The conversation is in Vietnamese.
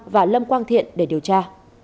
và lâm quang thiện để điều tra